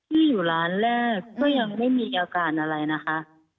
ที่อยู่ร้านแรกก็ยังไม่มีอาการอะไรนะคะ